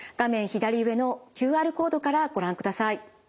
左上のＱＲコードからご覧ください。